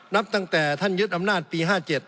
นับตั้งแต่ท่านยึดอำนาจปี๕๗